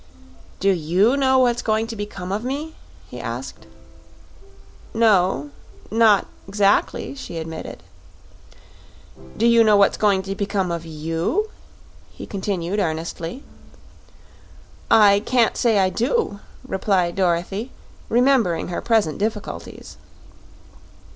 "Do YOU know what's going to become of me?" he asked. "Not not 'zactly," she admitted. "Do you know what's going to become of YOU?" he continued, earnestly. "I can't say I do," replied Dorothy, remembering her present difficulties.